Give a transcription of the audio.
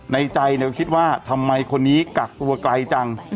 ในใจก็คิดว่าทำไมคนนี้กักตัวไกลจัง